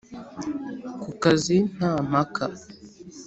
ku kazi nta mpaka,